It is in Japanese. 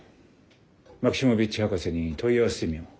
マキシモヴィッチ博士に問い合わせてみよう。